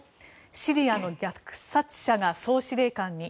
シリアの虐殺者が総司令官に。